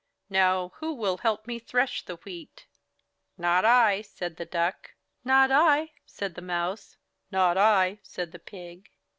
Now who will help me thresh the wheat?" 6i MY BOOK HOUSE ^^Not I," said the Duck. ''Not I/' said the Mouse. "Not I," said the Pig.